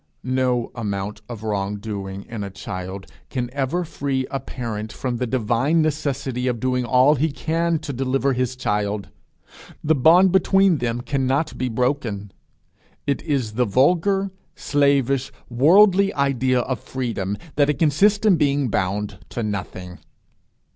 No amount of wrong doing in a child can ever free a parent from the divine necessity of doing all he can to deliver his child; the bond between them cannot be broken. It is the vulgar, slavish, worldly idea of freedom, that it consists in being bound to nothing.